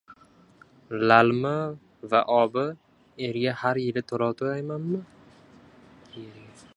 Lalmi va obi erga har yili to`lov to`laymanmi?